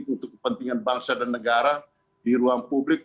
untuk kepentingan bangsa dan negara di ruang publik